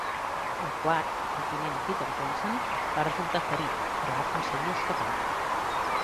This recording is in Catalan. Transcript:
El quart, el tinent Peter Johnson, va resultar ferit, però va aconseguir escapar.